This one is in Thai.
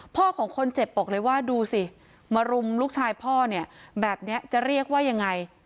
ของคนเจ็บบอกเลยว่าดูสิมารุมลูกชายพ่อเนี่ยแบบนี้จะเรียกว่ายังไง